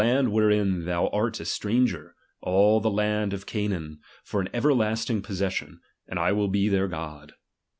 id wherein thou art a stranger, all the land of Canaan, for an everlasting possession ; and I will be their God.